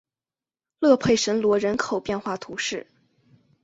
勒佩什罗人口变化图示